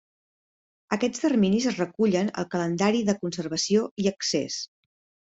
Aquests terminis es recullen al Calendari de conservació i accés.